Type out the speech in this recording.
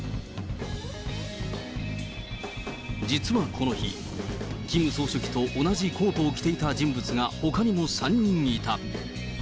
実はこの日、キム総書記と同じコートを着ていた人物がほかにも３人いた。